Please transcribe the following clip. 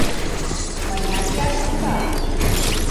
Мыняр ияш улат?